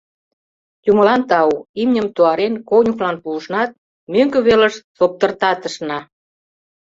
Юмылан тау, имньым туарен, конюхлан пуышнат, мӧҥгӧ велыш соптыртатышна.